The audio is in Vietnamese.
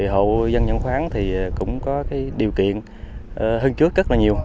hộ dân nhận khoáng thì cũng có điều kiện hơn trước rất là nhiều